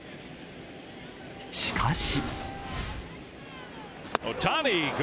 しかし。